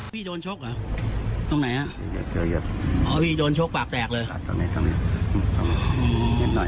พี่โดนชกหรอตรงไหนพี่โดนชกปากแตกเลย